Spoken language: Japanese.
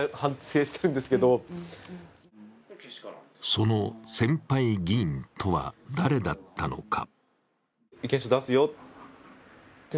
その先輩議員とは誰だったのか。